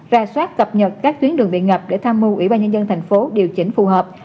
ra soát cập nhật các tuyến đường bị ngập để tham mưu ủy ban nhân dân thành phố điều chỉnh phù hợp